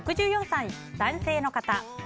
６４歳、男性の方。